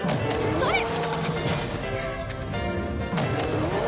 それ！